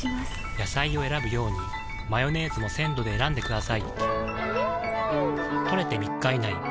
野菜を選ぶようにマヨネーズも鮮度で選んでくださいん！